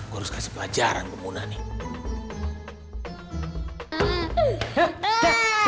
gue harus kasih pelajaran ke temuna nih